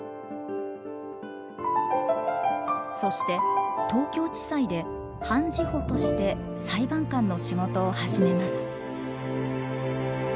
そして東京地裁で判事補として裁判官の仕事を始めます。